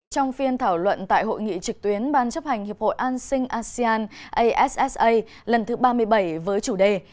trong phiên thảo luận tại hội nghị trực tuyến ban chấp hành hiệp hội an sinh asean assa lần thứ ba mươi bảy với chủ đề